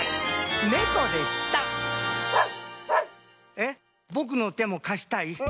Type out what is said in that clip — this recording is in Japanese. えっぼくのてもかしたい？